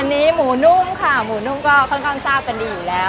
อันนี้หมูนุ่มค่ะหมูนุ่มก็ค่อนข้างทราบกันดีอยู่แล้ว